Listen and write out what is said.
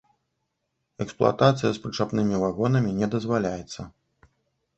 Эксплуатацыя з прычапнымі вагонамі не дазваляецца.